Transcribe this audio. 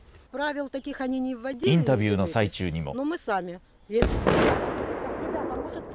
インタビューの最中にも。